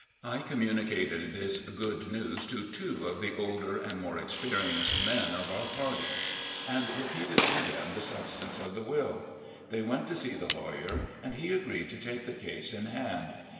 I com municated this good news to two of the older and more experienced men of our party, and repeated to them the substance of the will. They went to see the lawyer, and he agreed to take the case in hand.